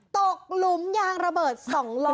หลุมยางระเบิด๒ล้อ